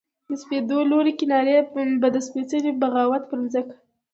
د سپېدو لوړې کنارې به د سپیڅلې بغاوت پر مځکه